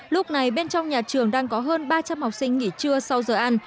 lúc này bên trong nhà trường đang có hơn ba trăm linh học sinh nghỉ trưa sau giờ ăn